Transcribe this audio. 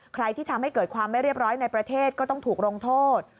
ใครที่ทำให้เกิดความไม่เรียบร้อยในประเทศก็ต้องถูกลงโทษ